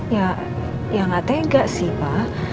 ya ya nggak tega sih pak